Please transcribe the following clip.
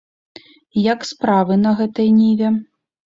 Як справы на гэтай ніве?